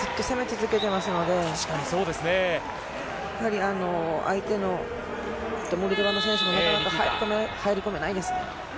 ずっと攻め続けていますのでモルドバの選手もなかなか入り込めないです。